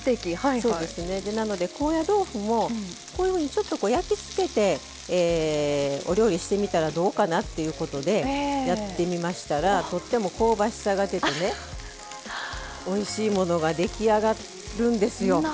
なので、高野豆腐もこういうふうに焼き付けてお料理してみたらどうかなっていうことでやってみましたらとっても香ばしさが出ておいしいものが出来上がるんですよ。